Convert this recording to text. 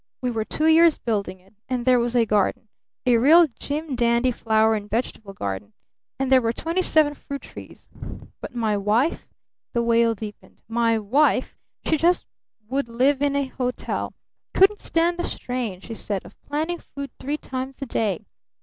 We were two years building it. And there was a garden a real jim dandy flower and vegetable garden and there were twenty seven fruit trees. But my wife " the wail deepened "my wife she just would live in a hotel! Couldn't stand the 'strain,' she said, of 'planning food three times a day'!